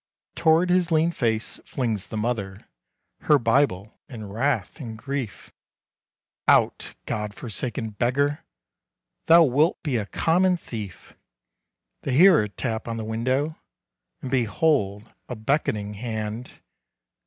Toward his lean face, flings the mother Her Bible, in wrath and grief. "Out! God forsaken beggar, Thou wilt be a common thief!" They hear a tap on the window, And behold a beckoning hand.